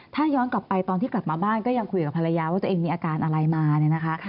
ถ้าย้อนกลับไปตอนที่กลับมาบ้านก็ยังคุยกับภรรยาว่าตัวเองมีอาการอะไรมาเนี่ยนะคะ